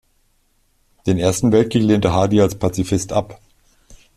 Den Ersten Weltkrieg lehnte Hardie als Pazifist ab.